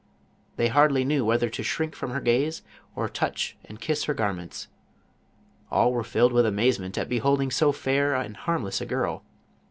They hardly knew whether to shrink from her gaze or touch and kiss her garments ; all were filled with amazement at beholding so fair and harmless a girl.